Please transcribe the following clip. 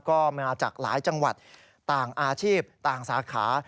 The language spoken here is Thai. ก็มาจากหลายจังหวัดต่างอาชีพต่างสาขา